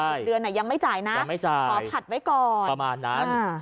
อีกเดือนไหนยังไม่จ่ายนะขอผลัดไว้ก่อนประมาณนั้นอ่าอ่า